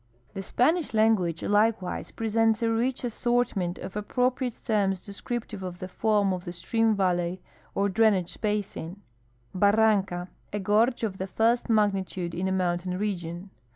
The Spanish language likewise presents a rich assortment of appropriate terms descriptive of the form of the stream valley or drainage basin. Barmncn. — .V gorge of the first magnitude in a mountain region.